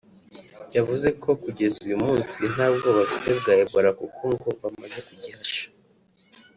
yavuze ko kugeza uyu munsi nta bwoba bafite bwa Ebola kuko ngo bamaze kugihasha